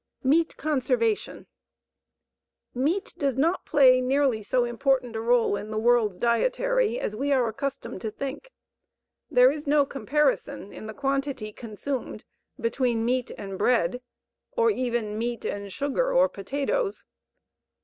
MEAT CONSERVATION Meat does not play nearly so important a part in the world's dietary as we are accustomed to think. There is no comparison, in the quantity consumed, between meat and bread, or even meat and sugar or potatoes.